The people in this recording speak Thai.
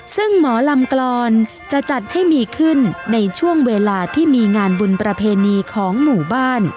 ซึ่งหมอลำกรอนจะจัดให้มีขึ้นในช่วงเวลาที่มีงานบุญประเพณีของหมู่บ้าน